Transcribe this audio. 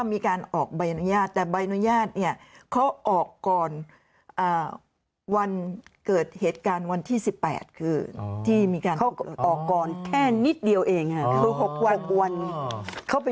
มีค่ะเดี๋ยวจะมีภาพให้ดู